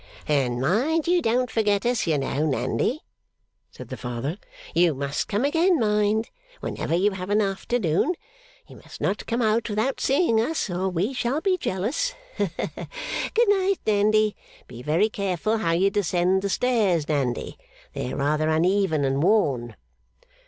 'And mind you don't forget us, you know, Nandy,' said the Father. 'You must come again, mind, whenever you have an afternoon. You must not come out without seeing us, or we shall be jealous. Good night, Nandy. Be very careful how you descend the stairs, Nandy; they are rather uneven and worn.